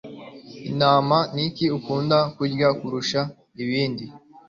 Intama Niki ikunda kurya kurusha ibindi